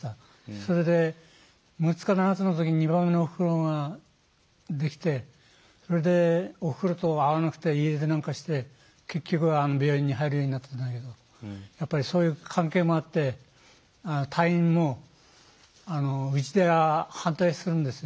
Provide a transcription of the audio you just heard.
それで６つか７つのときに２番目のおふくろができてそれで、おふくろと合わなくて家出なんかして結局は病院に入るようになったんだけどそういう関係もあって退院もうちで反対するんですね